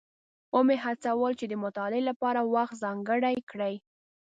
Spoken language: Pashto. ومې هڅول چې د مطالعې لپاره وخت ځانګړی کړي.